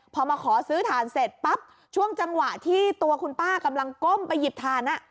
พอมาขอซื้อถ่านเสร็จปั๊บช่วงจังหวะที่ตัวคุณป้ากำลังก้มไปหยิบถ่าน